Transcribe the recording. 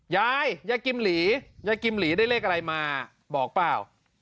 ยายยายกิมหลียายกิมหลีได้เลขอะไรมาบอกเปล่า